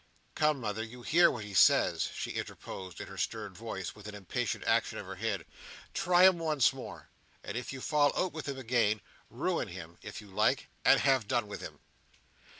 "Come, mother, you hear what he says," she interposed, in her stern voice, and with an impatient action of her head; "try him once more, and if you fall out with him again, ruin him, if you like, and have done with him."